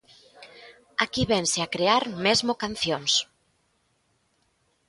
Aquí vense a crear mesmo cancións.